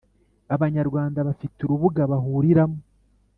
abanyarwanda bafite urubuga bahuriramo